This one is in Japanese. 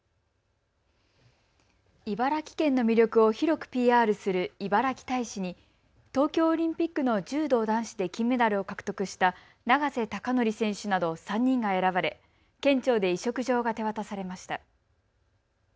茨城県の魅力を広くＰＲするいばらき大使に東京オリンピックの柔道男子で金メダルを獲得した永瀬貴規選手など３人が選ばれ、県庁で委嘱状が手渡されました。